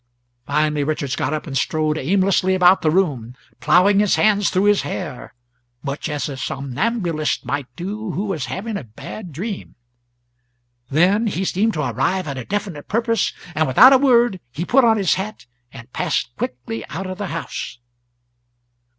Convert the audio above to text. Finally Richards got up and strode aimlessly about the room, ploughing his hands through his hair, much as a somnambulist might do who was having a bad dream. Then he seemed to arrive at a definite purpose; and without a word he put on his hat and passed quickly out of the house.